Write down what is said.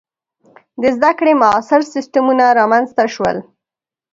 • د زده کړې معاصر سیستمونه رامنځته شول.